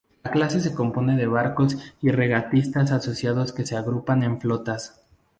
La clase se compone de barcos y regatistas asociados que se agrupan en flotas.